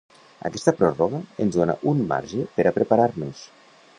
Aquesta pròrroga ens dona un marge per a preparar-nos.